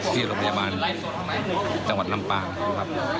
ที่โรงพยาบาลจังหวัดลำปางนะครับ